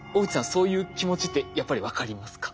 そういう気持ちってやっぱり分かりますか？